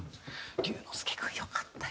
「瑠之介君良かったよ！